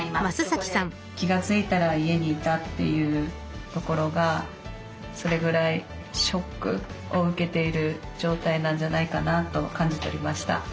気が付いたら家にいたというところがそれぐらいショックを受けている状態なんじゃないかなと感じ取りました。